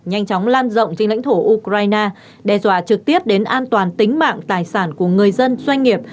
nhanh chóng lan rộng trên lãnh thổ ukraine đe dọa trực tiếp đến an toàn tính mạng tài sản của người dân doanh nghiệp